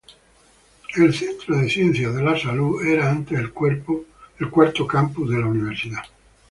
El Health Sciences Center era antes el cuarto campus de la universidad.